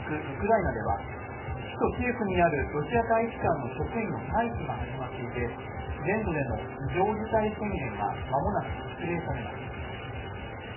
ウクライナでは首都キエフにあるロシア大使館の職員の退避が始まっていて全土での非常事態宣言が間もなく発令されます。